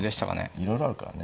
いろいろあるからね。